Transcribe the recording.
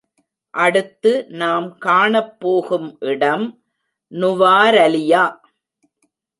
அடுத்து நாம் காணப்போகும் இடம் நுவாரலியா.